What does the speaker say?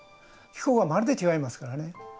気候がまるで違いますからね。